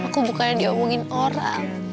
aku bukannya diomongin orang